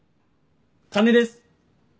金です。